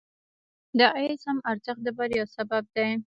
د عزم ارزښت د بریا سبب دی.